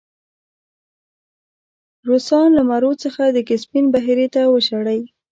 روسان له مرو څخه د کسپین بحیرې ته وشړی.